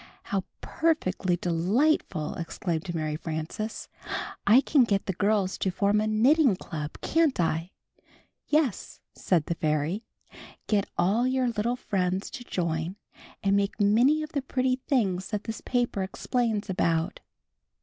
"How perfectly delightful!" exclaimed Mary Frances. "I can get the girls to form a knitting club, can't I?" "Yes," said the fairy, "get all your Httle friends to join, and make many of the pretty things that this paper explains about."